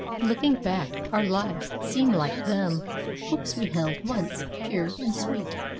Looking back, our lives seem like them; hopes we held, once pure and sweet.